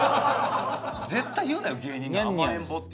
絶対言うなよ芸人が。